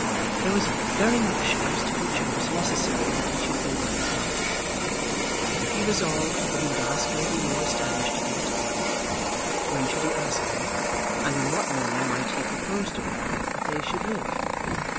There was very much as to which it was necessary that he should make up his mind. If he resolved that he would ask Lady Laura Standish to be his wife, when should he ask her, and in what manner might he propose to her that they should live?